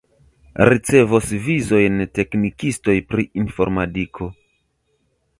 Ricevos vizojn teknikistoj pri informadiko.